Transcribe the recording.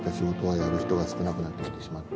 やる人が少なくなってきてしまって